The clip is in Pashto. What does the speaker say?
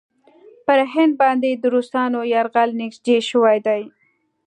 پر هند باندې د روسانو یرغل نېږدې شوی دی.